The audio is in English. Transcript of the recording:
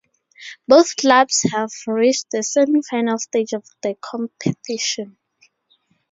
Both clubs have reached the semi-final stage of the competition.